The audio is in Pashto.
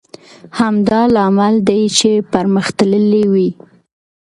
همدا لامل دی چې پرمختللی وي.